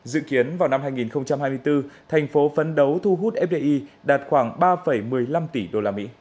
dự kiến vào năm hai nghìn hai mươi bốn thành phố phấn đấu thu hút fdi đạt khoảng ba một triệu usd